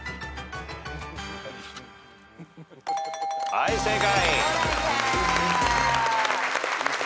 はい正解。